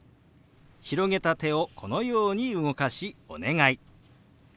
広げた手をこのように動かし「お願い」。